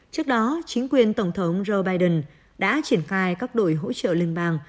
trước đó chính quyền tổng thống joe biden đã triển khai các đội hỗ trợ liên bang